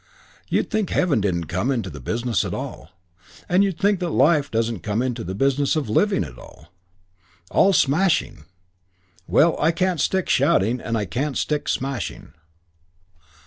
You'd think heaven didn't come into the business at all. And you'd think that life doesn't come into the business of living at all. All smashing.... Well, I can't stick shouting and I can't stick smashing."